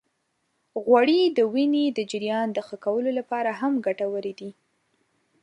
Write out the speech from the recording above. غوړې د وینې د جريان د ښه کولو لپاره هم ګټورې دي.